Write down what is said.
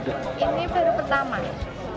ini baru pertama